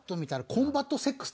コンバットセックス。